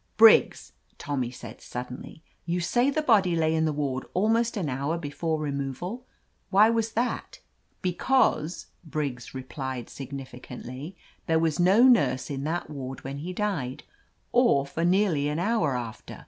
"Briggs," Tommy said suddenly, "you say the body lay in the ward almost an hour before removal. Why was that ?" "Because," Briggs replied significantly, "there was no nurse in that ward when he died, or for nearly an hour after.